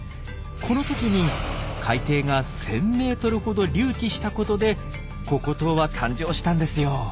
この時に海底が１，０００ｍほど隆起したことでココ島は誕生したんですよ。